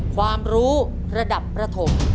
ความรู้ระดับประถม